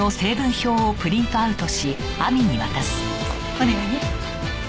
お願いね。